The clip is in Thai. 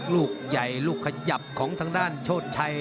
ลูกใหญ่ลูกขยับของทางด้านโชชัย